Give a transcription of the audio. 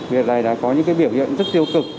việc này đã có những biểu hiện rất tiêu cực